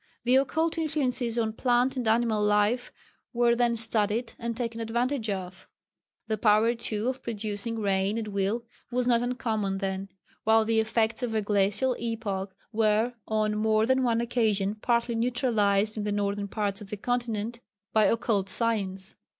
The occult influences on plant and animal life were then studied and taken advantage of. The power, too, of producing rain at will was not uncommon then, while the effects of a glacial epoch were on more than one occasion partly neutralized in the northern parts of the continent by occult science.